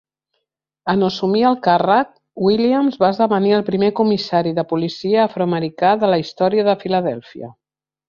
En assumir el càrrec, Williams va esdevenir el primer comissari de policia afroamericà de la història de Filadèlfia.